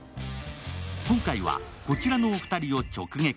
今回は、こちらのお二人を直撃。